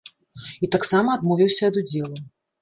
І таксама адмовіўся ад удзелу.